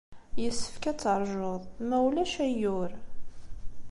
Yessefk ad teṛjuḍ, ma ulac, ayyur.